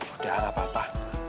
udah gak apa apa